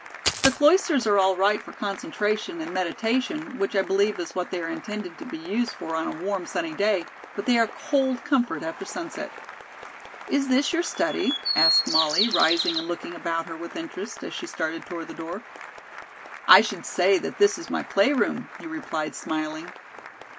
The Cloisters are all right for 'concentration' and 'meditation,' which I believe is what they are intended to be used for on a warm, sunny day; but they are cold comfort after sunset." "Is this your study?" asked Molly, rising and looking about her with interest, as she started toward the door. "I should say that this was my play room," he replied, smiling.